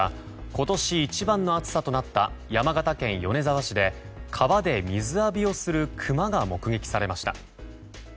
今年一番の暑さとなった山形県米沢市で川で水浴びをするクマが目撃されました。